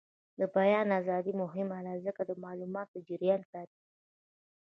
د بیان ازادي مهمه ده ځکه چې د معلوماتو جریان ساتي.